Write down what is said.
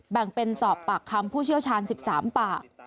แบ่งเป็นสอบปากคำผู้เชี่ยวชาญ๑๓ปาก